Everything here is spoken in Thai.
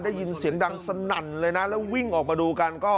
ได้ยินเสียงดังสนั่นเลยนะแล้ววิ่งออกมาดูกันก็